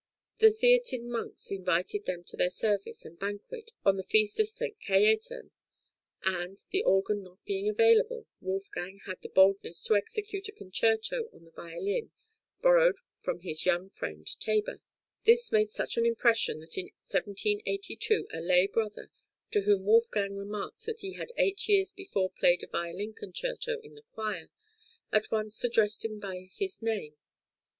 The Theatin monks invited them to their service and banquet on the feast of S. Cajetan, and, the organ not being available, Wolfgang had the boldness to execute a concerto on a violin borrowed from his young friend Teyber. This made such an impression that in 1782 a lay brother, to whom Wolfgang {COMPOSITIONS IN SALZBURG, 1773 74.} (147) remarked that he had eight years before played a violin concerto in the choir, at once addressed him by his name.